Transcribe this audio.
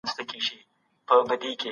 کاردستي د ماشومانو د ابتکار مهارت لوړوي.